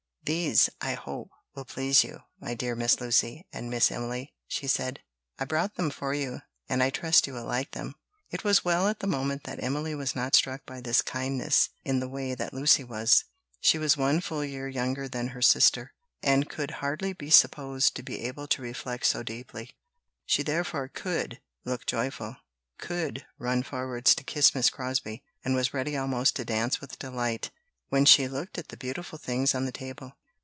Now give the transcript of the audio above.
"These, I hope, will please you, my dear Miss Lucy and Miss Emily," she said; "I brought them for you, and I trust you will like them." It was well at the moment that Emily was not struck by this kindness in the way that Lucy was. She was one full year younger than her sister, and could hardly be supposed to be able to reflect so deeply: she therefore could look joyful, could run forwards to kiss Miss Crosbie, and was ready almost to dance with delight, when she looked at the beautiful things on the table.